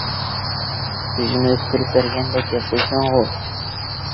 ئۈجمە ئۈستۈرۈپ بەرگەندەك گەپ قىلىسەنغۇ؟ !